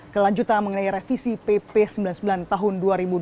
kelanjutan mengenai revisi pp sembilan puluh sembilan tahun dua ribu dua puluh